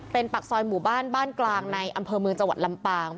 เป็นปากซอยหมู่บ้านบ้านกลางในอำเภอเมืองจังหวัดลำปาง